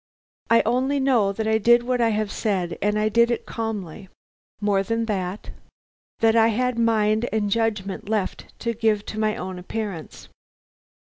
I only know that I did what I have said and did it calmly. More than that, that I had mind and judgment left to give to my own appearance.